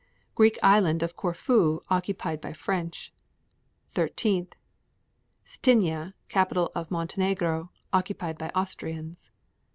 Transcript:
Greek island of Corfu occupied by French. 13. Cettinje, capital of Montenegro, occupied by Austrians.